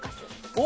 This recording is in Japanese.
お！